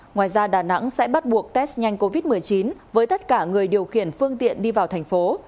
ngoài ra đà nẵng sẽ bắt buộc test nhanh covid một mươi chín với tất cả người điều khiển phương tiện đi vào thành phố